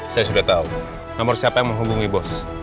saya sudah tahu nomor siapa yang menghubungi bos